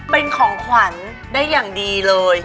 เป็นของขวัญได้อย่างดีเลย